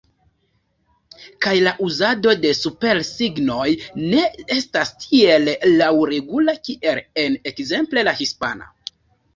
Kaj la uzado de supersignoj ne estas tiel laŭregula kiel en, ekzemple, la hispana.